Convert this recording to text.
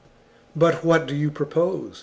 "' But what do you propose ?